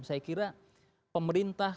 saya kira pemerintah